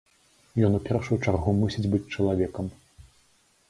Ён у першую чаргу мусіць быць чалавекам.